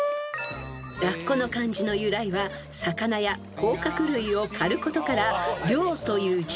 ［ラッコの漢字の由来は魚や甲殻類を狩ることから猟という字。